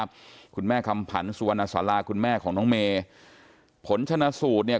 ท่านผู้ชมครับคุณแม่คำผัญสัวนสลาคคุณแม่ของทั้งเมย์ผลชนสูตรเนี้ย